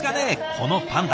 このパンダ。